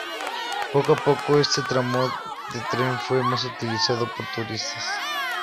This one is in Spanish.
Poco a poco, este tramo de tren fue más utilizado por los turistas.